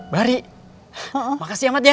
bari makasih ya mat ya